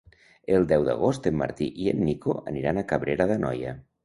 El deu d'agost en Martí i en Nico aniran a Cabrera d'Anoia.